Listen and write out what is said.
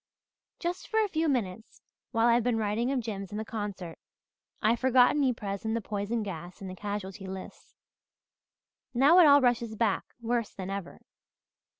"Just for a few minutes, while I've been writing of Jims and the concert, I've forgotten Ypres and the poison gas and the casualty lists. Now it all rushes back, worse than ever.